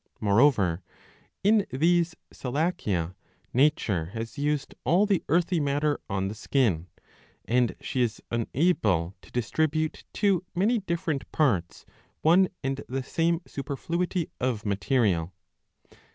Moreover in these Selachia ^ nature has used all the earthy matter on the skin ; and she is unable to distribute to many different parts one and the same superfluity of material.